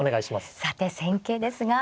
さて戦型ですが。